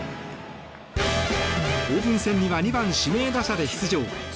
オープン戦には２番指名打者で出場。